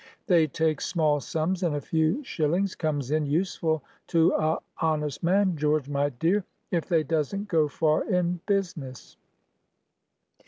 They takes small sums, and a few shillings comes in useful to a honest man, George, my dear, if they doesn't go far in business."